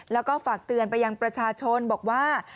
แล้วก็ฝากเตือนไปยังประชาชนบอกว่า